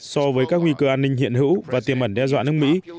so với các nguy cơ an ninh hiện hữu và tiềm ẩn đe dọa nước mỹ